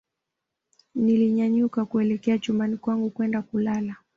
nilinyanyuka kuelekea chumbani kwangu kwenda kulala